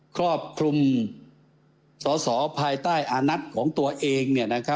ครอบคลุมสอสอภายใต้อานัทของตัวเอง